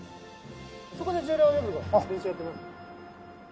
そこで重量挙げ部の練習やってます。